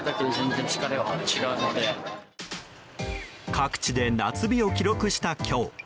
各地で夏日を記録した今日。